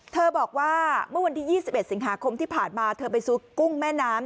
เธอบอกว่าเมื่อวันที่๒๑สิงหาคมที่ผ่านมาเธอไปซื้อกุ้งแม่น้ำ